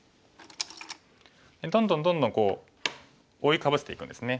どんどんどんどん覆いかぶしていくんですね。